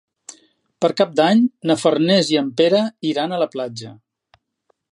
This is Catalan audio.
Per Cap d'Any na Farners i en Pere iran a la platja.